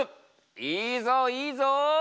いいぞいいぞ！